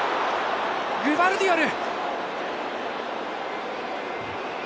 グバルディオル！